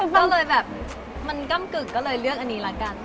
ก็เลยแบบมันก้ำกึกก็เลยเลือกอันนี้ละกัน